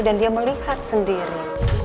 dan dia melihat sendiri